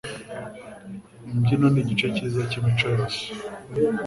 Imbyino nigice cyiza cyimico yose.